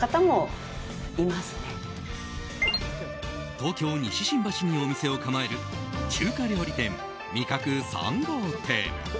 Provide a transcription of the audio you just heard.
東京・西新橋にお店を構える中華料理店、味覚３号店。